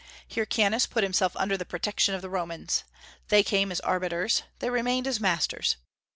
Hyrcanus put himself under the protection of the Romans. They came as arbiters; they remained as masters.